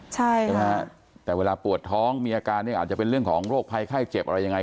ใช่ไหมฮะแต่เวลาปวดท้องมีอาการเนี่ยอาจจะเป็นเรื่องของโรคภัยไข้เจ็บอะไรยังไง